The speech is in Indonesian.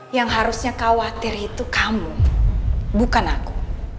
yang harusnya khawatir itu kamu bukan aku